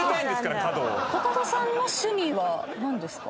コカドさんの趣味は何ですか？